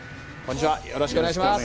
よろしくお願いします。